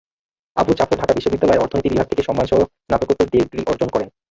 আবু জাফর ঢাকা বিশ্ববিদ্যালয়ের অর্থনীতি বিভাগ থেকে সম্মানসহ স্নাতকোত্তর ডিগ্রি অর্জন করেন।